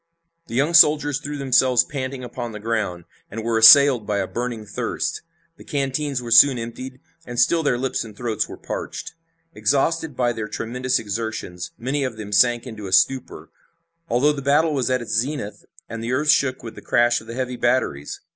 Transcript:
The young soldiers threw themselves panting upon the ground, and were assailed by a burning thirst. The canteens were soon emptied, and still their lips and throats were parched. Exhausted by their tremendous exertions, many of them sank into a stupor, although the battle was at its zenith and the earth shook with the crash of the heavy batteries.